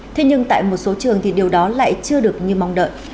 thế nhưng tại một số trường thì điều đó lại chưa được như mong đợi